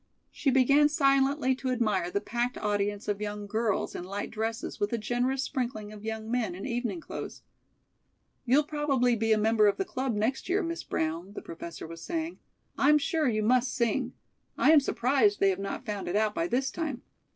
She began silently to admire the packed audience of young girls in light dresses with a generous sprinkling of young men in evening clothes. "You'll probably be a member of the club next year, Miss Brown," the Professor was saying. "I'm sure you must sing. I am surprised they have not found it out by this time.